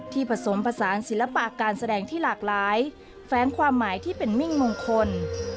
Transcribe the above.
ผสมผสานศิลปะการแสดงที่หลากหลายแฟ้งความหมายที่เป็นมิ่งมงคล